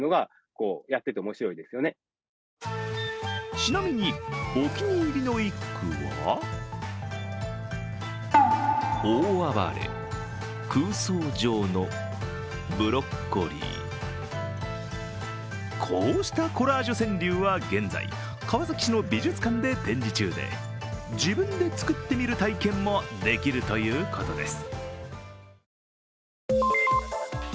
ちなみにお気に入りの一句はこうしたコラージュ川柳は現在、川崎市の美術館で展示中で自分で作ってみる体験もできるということです。